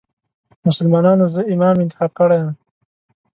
مسلمانانو زه امام انتخاب کړی یم.